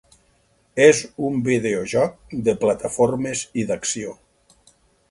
És un videojoc de plataformes i d'acció.